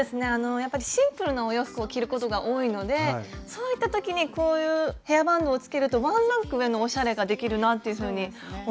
やっぱりシンプルなお洋服を着ることが多いのでそういった時にこういうヘアバンドをつけるとワンランク上のおしゃれができるなというふうに思いました。